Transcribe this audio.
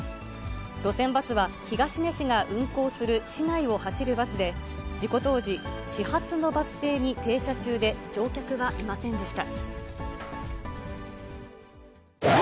路線バスは、東根市が運行する市内を走るバスで、事故当時、始発のバス停に停車中で、乗客はいませんでした。